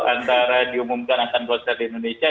antara diumumkan akan konser di indonesia